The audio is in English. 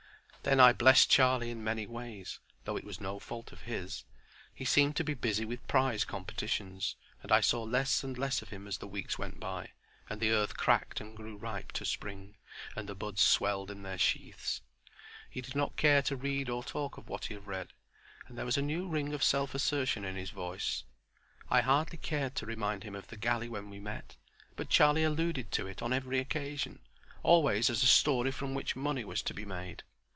Then I blessed Charlie in many ways—though it was no fault of his. He seemed to be busy with prize competitions, and I saw less and less of him as the weeks went by and the earth cracked and grew ripe to spring, and the buds swelled in their sheaths. He did not care to read or talk of what he had read, and there was a new ring of self assertion in his voice. I hardly cared to remind him of the galley when we met; but Charlie alluded to it on every occasion, always as a story from which money was to be made.